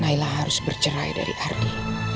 naila harus bercerai dari ardi